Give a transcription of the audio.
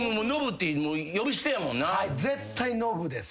はい絶対ノブです。